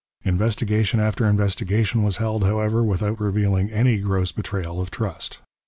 Investigation after investigation was held, however, without revealing any gross betrayal of trust.